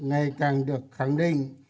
ngày càng được khẳng định